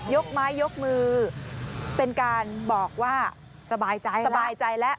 ยกไม้ยกมือเป็นการบอกว่าสบายใจสบายใจแล้ว